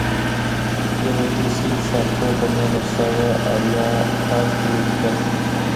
یوه انګلیسي اقتصاد پوه په نولس سوه اویاووه کال کې ولیکل.